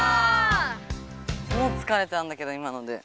もうつかれたんだけど今ので。